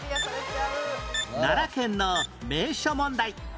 奈良県の名所問題